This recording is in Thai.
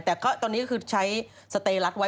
แต่ตอนนี้คือใช้สเตรหลักไว้